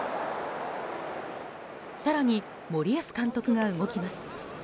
更に、森保監督が動きます。